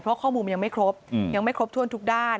เพราะข้อมูลมันยังไม่ครบยังไม่ครบถ้วนทุกด้าน